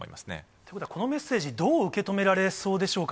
ということは、このメッセージ、どう受け止められそうでしょうか。